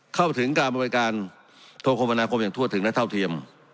เข้าถึงการบริการโทรคมนาคมอย่างทั่วถึงและเท่าเทียม